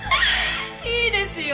いいですよ。